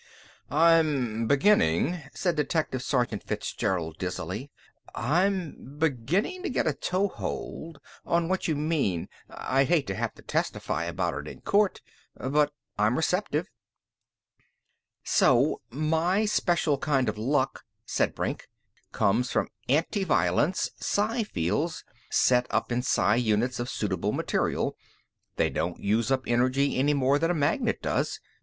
"I'm beginnin'," said Detective Sergeant Fitzgerald dizzily, "I'm beginnin' to get a toehold on what you mean. I'd hate to have to testify about it in court, but I'm receptive." "So my special kind of luck," said Brink, "comes from antiviolence psi fields, set up in psi units of suitable material. They don't use up energy any more than a magnet does.